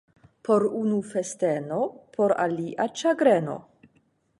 Por unu — festeno, por alia — ĉagreno.